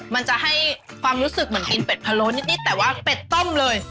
มันจะให้ความรู้สึกเหมือนกินเป็ดพะโล้นิดแต่ว่าเป็ดต้มเลย